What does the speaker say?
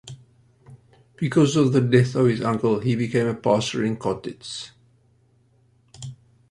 Because of the death of his uncle he became a pastor in Kotitz.